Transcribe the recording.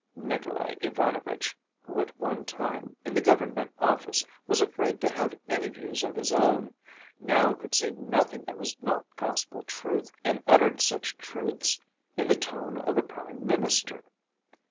Nikolay Ivanovitch, who at one time in the government office was afraid to have any views of his own, now could say nothing that was not gospel truth, and uttered such truths in the tone of a prime minister.